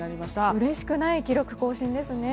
うれしくない記録更新ですね。